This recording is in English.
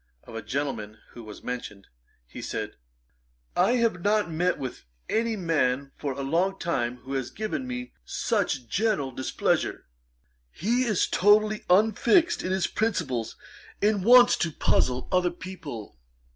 Of a gentleman who was mentioned, he said, 'I have not met with any man for a long time who has given me such general displeasure. He is totally unfixed in his principles, and wants to puzzle other people.